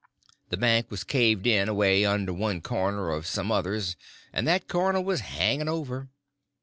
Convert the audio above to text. The bank was caved away under one corner of some others, and that corner was hanging over.